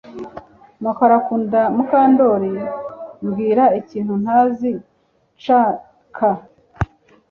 Mukara akunda Mukandoli Mbwira ikintu ntazi CK